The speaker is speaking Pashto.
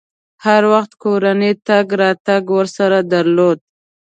هر وخت کورنۍ تګ راتګ ورسره درلود.